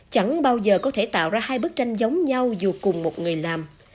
chẳng bao giờ có thể tạo ra hai bức tranh giống nhau dù cùng một người làm